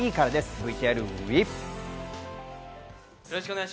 ＶＴＲＷＥ！